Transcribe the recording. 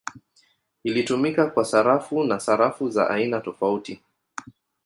Ilitumika kwa sarafu na sarafu za aina tofauti.